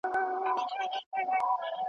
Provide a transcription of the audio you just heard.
د پسرلیو له سبا به ترانې وي وني `